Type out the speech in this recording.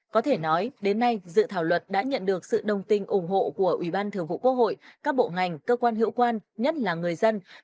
có thể nói đến nay dự thảo luật đã nhận được sự đồng tình ủng hộ của ubth các bộ ngành cơ quan hữu quan nhất là người dân